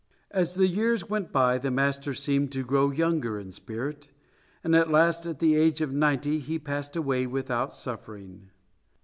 As the years went by the master seemed to grow younger in spirit, and at last at the age of ninety he passed away without suffering.